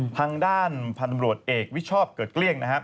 ทางด้านพันธ์บริปุ่นเอกวิชอปเกิดเกลี้ยง